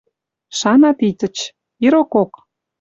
Шана Титыч. — Ирокок